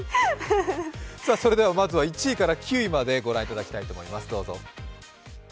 それではまずは１位から９位まで御覧いただきたいと思います。